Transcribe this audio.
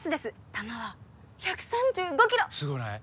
球は１３５キロすごない？